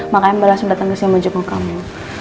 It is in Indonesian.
makanya mbak langsung dateng kesini mau jempol kamu